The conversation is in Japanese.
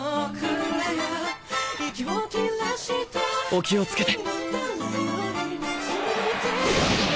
お気を付けて。